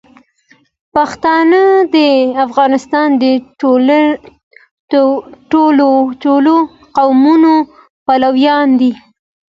پښتانه د افغانستان د ټولو قومونو پلویان دي.